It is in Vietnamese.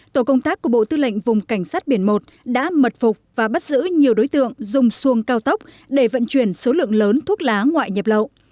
tổ công tác của bộ tư lệnh vùng cảnh sát biển một đã mật phục và bắt giữ nhiều đối tượng dùng xuồng cao tốc để vận chuyển số lượng lớn thuốc lá ngoại nhập lậu